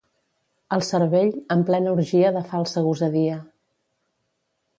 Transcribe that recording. El cervell, en plena orgia de falsa gosadia.